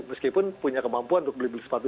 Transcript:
meskipun punya kemampuan untuk beli beli sepatu